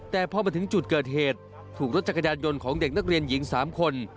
แต่พอมาถึงจุดเกิดเหตุถูกรถจักรยานยนต์ของเด็กนักเรียนหญิง๓คน